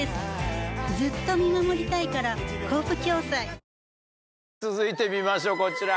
「ビオレ」続いて見ましょうこちら。